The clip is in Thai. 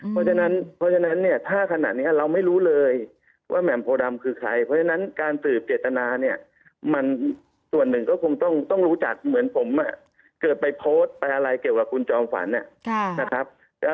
เพราะฉะนั้นเพราะฉะนั้นเนี่ยถ้าขนาดนี้เราไม่รู้เลยว่าแหม่มโพดำคือใครเพราะฉะนั้นการสืบเจตนาเนี่ยมันส่วนหนึ่งก็คงต้องรู้จักเหมือนผมเกิดไปโพสต์ไปอะไรเกี่ยวกับคุณจอมฝันนะครับ